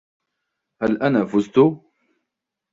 هل أنا فُزت؟